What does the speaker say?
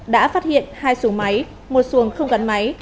đã phát hiện hai xuồng máy một xuồng không gắn máy